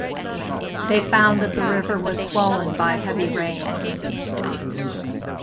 They found that the river was swollen by heavy rain.